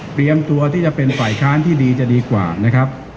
ตัวที่จะเป็นฝ่ายค้านที่ดีจะดีกว่านะครับ